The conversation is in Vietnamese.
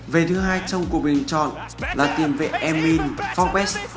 về thứ hai trong cuộc bầu chọn là tiên vệ emin fogbest